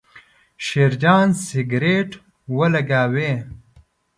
شیرجان سګرېټ ولګاوې.